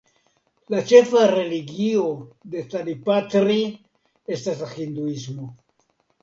La ĉefa religio de Tadipatri estas la hinduismo.